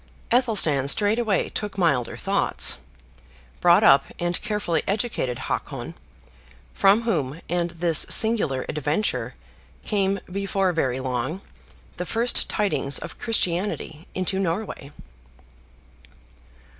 Athelstan straightway took milder thoughts; brought up, and carefully educated Hakon; from whom, and this singular adventure, came, before very long, the first tidings of Christianity into Norway.